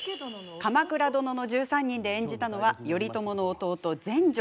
「鎌倉殿の１３人」で演じたのは頼朝の弟、全成。